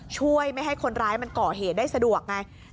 ไม่ให้คนร้ายมันก่อเหตุได้สะดวกไง